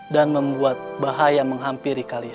dan membuat bahaya menghampiri kalian